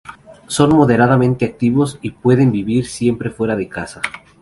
Son moderadamente activos y pueden vivir siempre fuera de casa.